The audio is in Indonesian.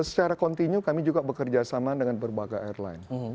secara kontinu kami juga bekerjasama dengan berbagai airline